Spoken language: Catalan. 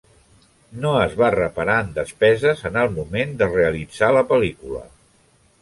No es va reparar en despeses en el moment de realitzar la pel·lícula.